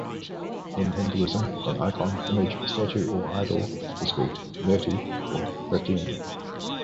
In Hinduism, an icon, image, statue or idol is called "Murti" or "Pratima".